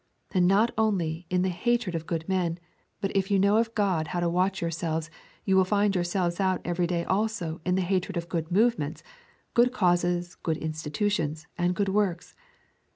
And not only in the hatred of good men, but if you know of God how to watch yourselves, you will find yourselves out every day also in the hatred of good movements, good causes, good institutions, and good works.